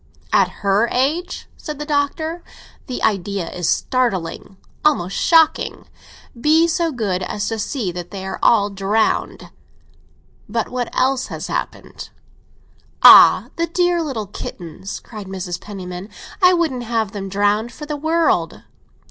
"At her age?" said the Doctor. "The idea is startling—almost shocking. Be so good as to see that they are all drowned. But what else has happened?" "Ah, the dear little kittens!" cried Mrs. Penniman. "I wouldn't have them drowned for the world!"